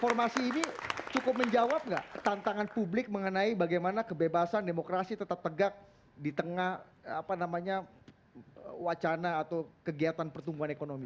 formasi ini cukup menjawab nggak tantangan publik mengenai bagaimana kebebasan demokrasi tetap tegak di tengah wacana atau kegiatan pertumbuhan ekonomi